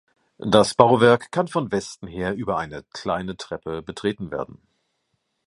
Das Bauwerk kann von Westen her über eine kleine Treppe betreten werden.